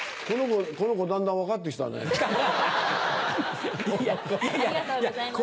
この子だんだん分かって来たね。